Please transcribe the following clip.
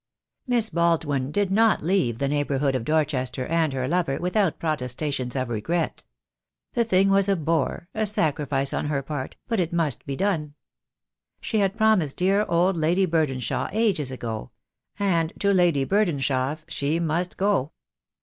Miss Baldwin did not leave the neighbourhood of Dorchester and her lover without protestations of regret. The thing was a bore, a sacrifice on her part, but it must be done. She had promised dear old Lady Burden shaw ages ago, and to Lady Burdenshaw's she must go.